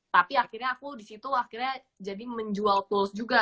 tapi akhirnya aku disitu akhirnya jadi menjual tools juga